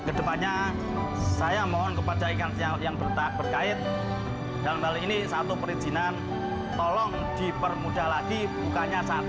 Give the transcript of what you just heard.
ke depannya saya mohon kepada ikan sinyal yang berkait dalam hal ini satu perizinan tolong dipermudah lagi bukanya saat